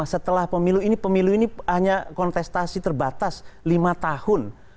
setelah pemilu ini pemilu ini hanya kontestasi terbatas lima tahun